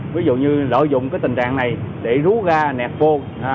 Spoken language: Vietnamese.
ví dụ như lợi dụng cái tình trạng này để rú ga nẹt vô